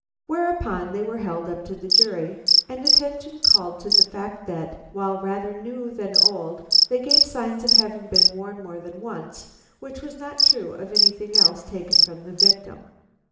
Whereupon they were held up to the jury, and attention called to the fact that, while rather new than old, they gave signs of having been worn more than once; which was not true of anything else taken from the victim.